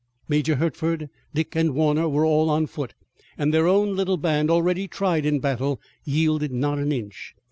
Major Hertford, Dick and Warner were all on foot, and their own little band, already tried in battle, yielded not an inch.